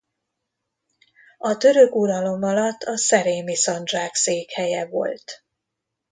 A török uralom alatt a szerémi szandzsák székhelye volt.